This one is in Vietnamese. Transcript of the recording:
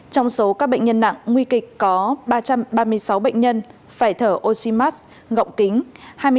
trong số các bệnh nhân nặng nguy kịch có ba trăm ba mươi sáu bệnh nhân phải thở oxymas gọng kính